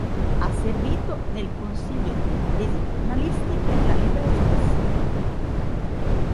Ha servito nel Consiglio di canadesi giornalisti per la libera espressione.